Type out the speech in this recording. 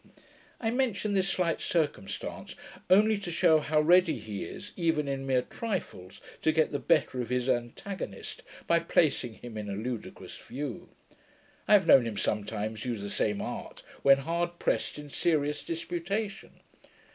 I mention this slight circumstance, only to shew how ready he is, even in mere trifles, to get the better of his antagonist, by placing him in a ludicrous view. I have known him sometimes use the same art, when hard pressed in serious disputation.